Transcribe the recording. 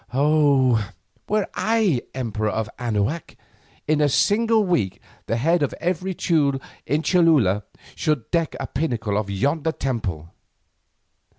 Oh! were I emperor of Anahuac, in a single week the head of every Teule in Cholula should deck a pinnacle of yonder temple."